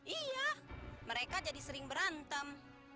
iya mereka jadi sering berantem